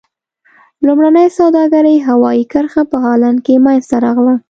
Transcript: لومړنۍ سوداګرۍ هوایي کرښه په هالند کې منځته راغله.